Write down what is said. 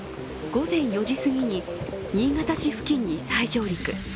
午前４時すぎに、新潟市付近に再上陸。